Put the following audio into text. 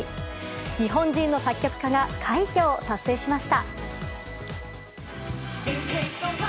日本人の作曲家が快挙を達成しました。